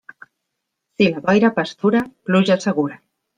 Si la boira pastura, pluja segura.